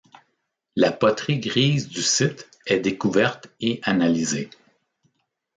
La poterie grise du site est découverte et analysée.